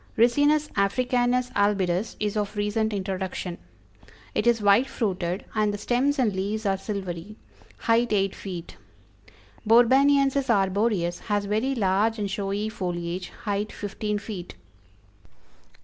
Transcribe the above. Ricinus Africanus albidus is of recent introduction. It is white fruited, and the stems and leaves are silvery; height eight feet. Borbaniensis arboreus has very large and showy foliage; height fifteen feet.